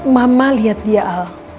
mama liat dia al